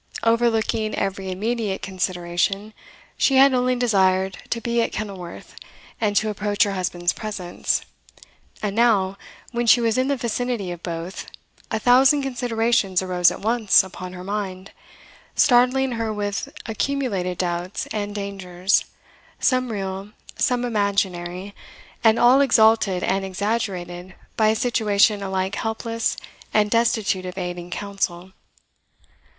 Overlooking every intermediate consideration, she had only desired to be at Kenilworth, and to approach her husband's presence; and now, when she was in the vicinity of both, a thousand considerations arose at once upon her mind, startling her with accumulated doubts and dangers, some real, some imaginary, and all exalted and exaggerated by a situation alike helpless and destitute of aid and counsel.